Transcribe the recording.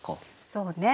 そうね。